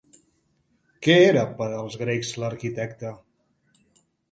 Què era per als grecs l'arquitecte?